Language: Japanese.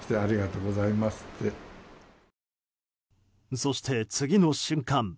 そして、次の瞬間